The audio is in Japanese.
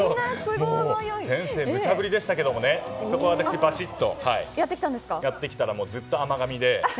先生、むちゃ振りでしたがそこは私、バシッとやってきたら、ずっと甘がみで。